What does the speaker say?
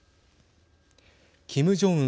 キム・ジョンウン